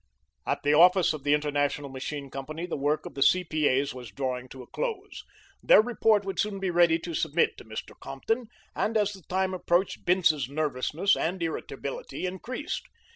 At the office of the International Machine Company the work of the C.P.A.'s was drawing to a close. Their report would soon be ready to submit to Mr. Compton, and as the time approached Bince's nervousness and irritability increased.